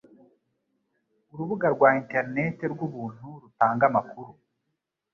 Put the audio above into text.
Urubuga rwa internet rw'ubuntu rutanga amakuru